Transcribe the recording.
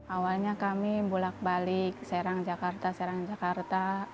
awalnya kami bulat balik serang jakarta serang jakarta